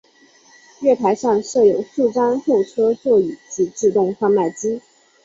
月台上设有数张候车座椅及自动售卖机。